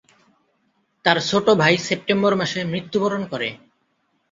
তার ছোট ভাই সেপ্টেম্বর মাসে মৃত্যুবরণ করে।